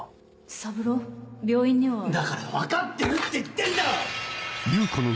三郎病院にはだから分かってるって言ってんだろ‼